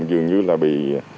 dường như bị